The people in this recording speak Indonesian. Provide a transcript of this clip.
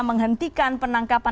yang menghentikan penangkapan